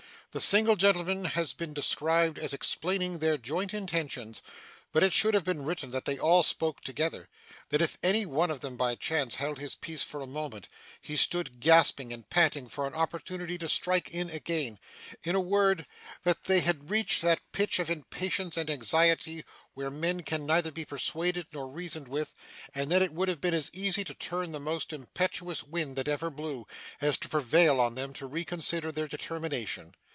The single gentleman has been described as explaining their joint intentions, but it should have been written that they all spoke together; that if any one of them by chance held his peace for a moment, he stood gasping and panting for an opportunity to strike in again: in a word, that they had reached that pitch of impatience and anxiety where men can neither be persuaded nor reasoned with; and that it would have been as easy to turn the most impetuous wind that ever blew, as to prevail on them to reconsider their determination.